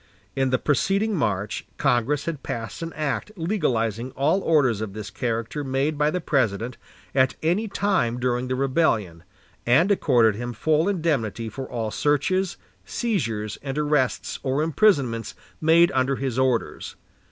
In the preceding March, Congress had passed an act legalizing all orders of this character made by the President at any time during the rebellion, and accorded him full indemnity for all searches, seizures, and arrests or imprisonments made under his orders.